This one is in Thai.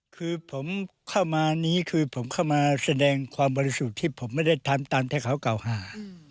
คือผมเข้ามานี้คือผมเข้ามาแสดงความบริสุทธิ์ที่ผมไม่ได้ทำตามที่เขากล่าวหา